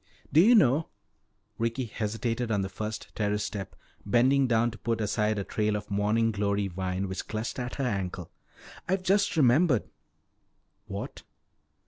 "Do you know," Ricky hesitated on the first terrace step, bending down to put aside a trail of morning glory vine which clutched at her ankle, "I've just remembered!" "What?"